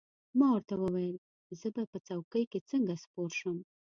ما ورته وویل: زه به په څوکۍ کې څنګه سپور شم؟